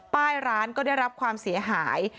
ป้ายร้านก็ได้รับความเสียหาย